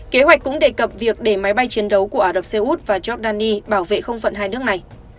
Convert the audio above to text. kế hoạch cũng đề cập việc để máy bay chiến đấu của ả rập xê út và giordani bảo vệ không phận hai nước này